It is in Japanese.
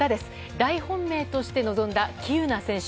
大本命として臨んだ喜友名選手。